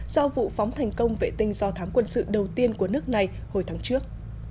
sau vụ phóng thành công vệ tinh do thám quân sự đầu tiên của nước này hồi tháng trước